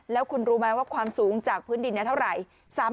แล้วคุณรู้ไหมว่าความสูงจากพื้นดินเท่าไหร่